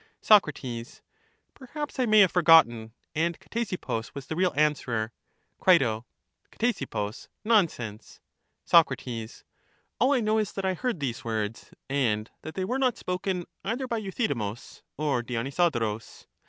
* Soc. Perhaps I may have forgotten, and Ctesippus was the real answerer. CrL Ctesippus! nonsense. Soc. All I know is that I heard these words, and that they were not spoken either by Euthydemus or Dionysodorus.